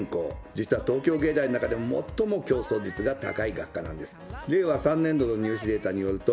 実は東京藝大の中でも最も競争率が高い学科なんです。